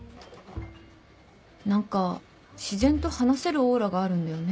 何か自然と話せるオーラがあるんだよね